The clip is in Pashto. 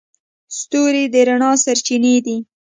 ستوري د رڼا سرچینې دي.